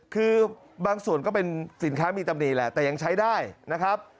คือบางส่วนก็เป็นสินค้ามีตำหนิแหละแต่ยังใช้ได้นะครับ